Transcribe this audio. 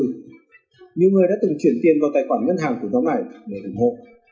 nhiều người đã từng chuyển tiền vào tài khoản ngân hàng của nhóm này để ủng hộ